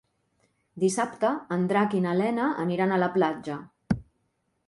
Dissabte en Drac i na Lena aniran a la platja.